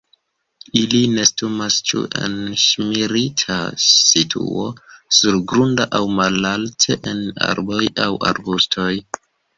Ili nestumas ĉu en ŝirmita situo surgrunda aŭ malalte en arboj aŭ arbustoj.